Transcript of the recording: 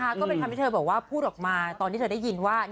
ก็เป็นคำที่เธอบอกว่าพูดออกมาตอนที่เธอได้ยินว่า